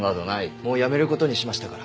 もうやめる事にしましたから。